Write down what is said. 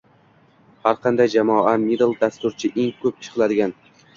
Har qanday jamoada middle dasturchi eng ko’p ish qiladigan